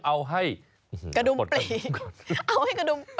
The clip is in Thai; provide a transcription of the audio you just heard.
เอาให้กระดุมปลี่